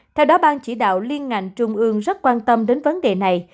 theo đó bang chỉ đạo liên ngành trung ương rất quan tâm đến vấn đề này